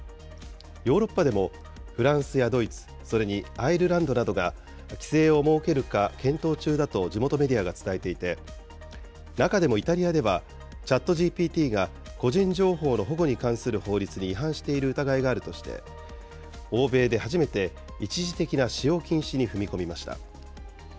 ヨーロッパでもフランスやドイツ、それにアイルランドなどが、規制を設けるか検討中だと地元メディアが伝えていて、中でもイタリアでは、ＣｈａｔＧＰＴが個人情報の保護に関する法律に違反している疑いがあるとして、欧米で初めて一時的な使用禁止に踏み込みました。